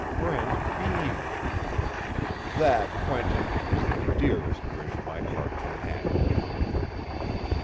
Brent beamed. "That, Quentin, is the dearest wish my heart can have."